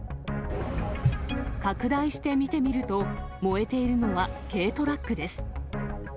拡大して見てみると、燃えているのは軽トラックです。